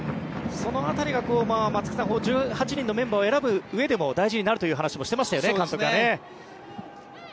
その辺りが１８人のメンバーを選ぶうえでも大事になるという話も監督はしていましたよね。